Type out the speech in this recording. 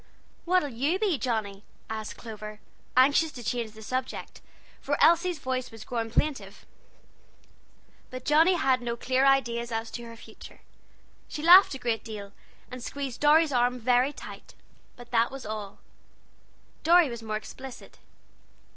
"What'll you be, Johnnie?" asked Clover, anxious to change the subject, for Elsie's voice was growing plaintive. But Johnnie had no clear ideas as to her future. She laughed a great deal, and squeezed Dorry's arm very tight, but that was all. Dorry was more explicit.